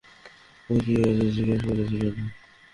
কী হয়েছে জিজ্ঞেস করেছিলে না?